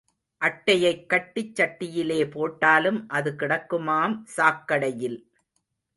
அட்டையைக் கட்டிச் சட்டியிலே போட்டாலும் அது கிடக்குமாம் சாக்கடையில்.